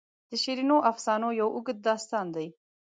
د شیرینو افسانو یو اوږد داستان دی.